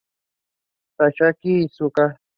Takashi Iizuka